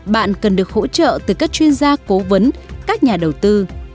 bạn cần được hỗ trợ từ các chuyên gia cố vấn các nhà đầu tư